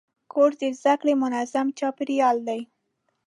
کورس د زده کړې منظم چاپېریال دی.